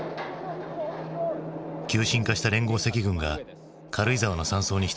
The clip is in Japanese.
急進化した連合赤軍が軽井沢の山荘に人質をとって籠城。